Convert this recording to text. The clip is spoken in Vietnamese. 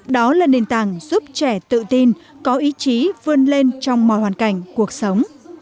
đó là nền tảng giúp trẻ tự tin có ý chí vươn lên trong mọi hoàn cảnh cuộc sống